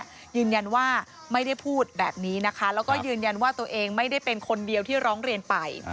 ก็ยืนยันว่าไม่ได้พูดแบบนี้นะคะแล้วก็ยืนยันว่าตัวเองไม่ได้เป็นคนเดียวที่ร้องเรียนไป